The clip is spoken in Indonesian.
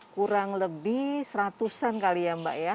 kurang lebih seratusan kali ya mbak ya